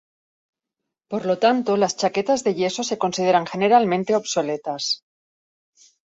Por lo tanto, las chaquetas de yeso se consideran generalmente obsoletas.